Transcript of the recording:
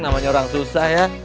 namanya orang susah ya